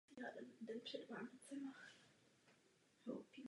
Později pracoval v nakladatelství Družstevní práce v Praze.